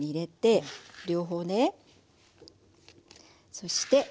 そして。